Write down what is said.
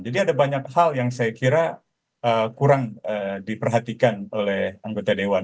jadi ada banyak hal yang saya kira kurang diperhatikan oleh anggota dewan